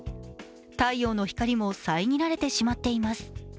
太陽の光も遮られてしまっています。